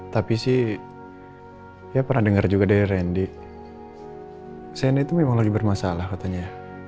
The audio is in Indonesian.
tapi sih ya pernah dengar juga dari randy saya itu memang lagi bermasalah katanya